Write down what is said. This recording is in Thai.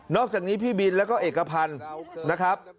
อกจากนี้พี่บินแล้วก็เอกพันธ์นะครับ